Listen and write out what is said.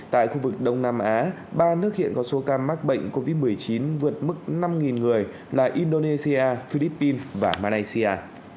tại khu vực đông nam á ba nước hiện có số ca mắc bệnh covid một mươi chín vượt mức năm người là indonesia philippines và malaysia